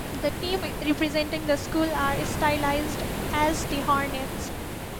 The team representing the school are stylized as the Hornets.